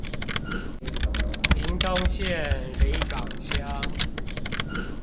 屏東縣里港鄉